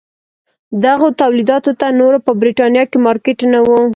دغو تولیداتو ته نور په برېټانیا کې مارکېټ نه و.